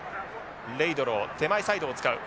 レイドロウ手前サイドを使う。